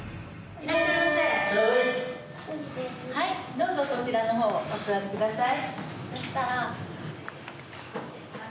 どうぞこちらのほうお座りください